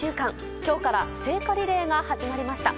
今日から聖火リレーが始まりました。